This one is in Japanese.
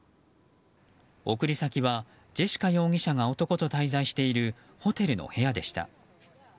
送り先はジェシカ容疑者が男と滞在しているホテルの部屋でした。